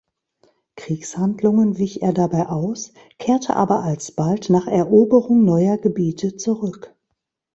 Kriegshandlungen wich er dabei aus, kehrte aber alsbald nach Eroberung neuer Gebiete zurück.